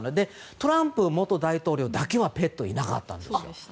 トランプ元大統領だけはペットがいなかったんです。